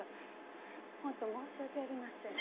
本当申し訳ありません」。